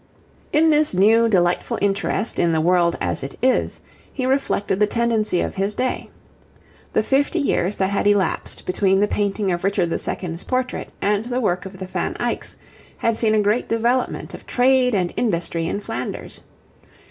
In this new delightful interest in the world as it is, he reflected the tendency of his day. The fifty years that had elapsed between the painting of Richard II.'s portrait and the work of the Van Eycks, had seen a great development of trade and industry in Flanders.